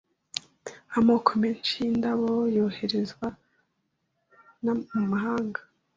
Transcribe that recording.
’amoko menshi y’indabo yoherezwa m’ amahanga